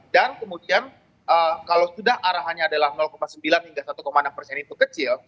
dan kemudian kalau sudah arahannya adalah sembilan hingga satu enam persen itu kecil